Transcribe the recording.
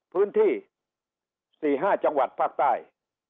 พื้นที่๔๕จังหวัดภาคใต้